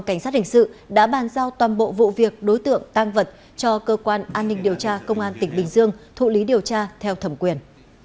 cảnh sát hình sự đã bàn giao toàn bộ vụ việc đối tượng tăng vật cho cơ quan an ninh điều tra công an tỉnh bình dương thụ lý điều tra theo thẩm quyền